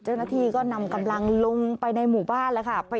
เจ้าหน้าที่ก็นำกำลังลงไปในหมู่บ้านแล้วค่ะ